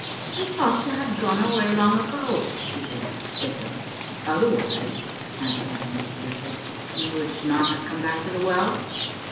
"I thought you had gone away long ago," she said stiffly. "Otherwise," asked Gavin the dejected, "you would not have come back to the well?"